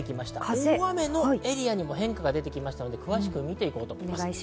大雨のエリアにも変化が出てきましたので詳しく見ていきたいです。